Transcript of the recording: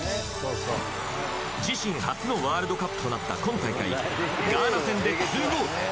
自身初のワールドカップとなった今大会、ガーナ戦で２ゴール。